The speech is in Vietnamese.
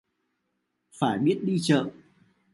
Phải biết đi chợ